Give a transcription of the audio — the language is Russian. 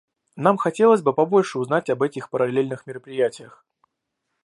Нам хотелось бы побольше узнать об этих параллельных мероприятиях.